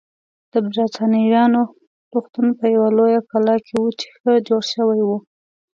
د بریتانویانو روغتون په یوه لویه کلا کې و چې ښه جوړه شوې وه.